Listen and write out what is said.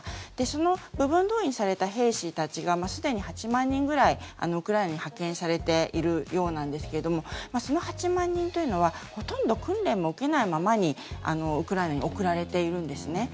その部分動員された兵士たちがすでに８万人ぐらいウクライナに派遣されているようなんですけどその８万人というのはほとんど訓練も受けないままにウクライナに送られているんですね。